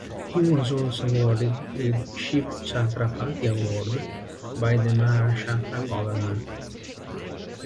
He was also awarded with Shiv Chhatrapati Award by the Maharashtra government.